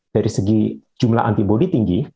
dari segi jumlah antibody tinggi